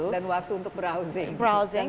dan waktu untuk browsing